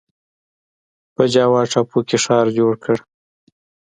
په جاوا ټاپو کې ښار جوړ کړ.